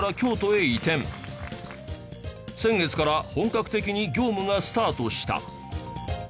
先月から本格的に業務がスタートした。